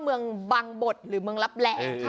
เมืองบังบดหรือเมืองลับแหล่